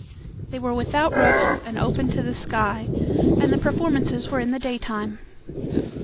They were without roofs and open to the sky, and the performances were in the daytime.